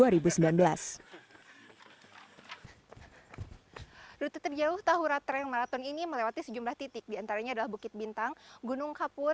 rute terjauh tahura trang marathon ini melewati sejumlah titik diantaranya adalah bukit bintang gunung kapur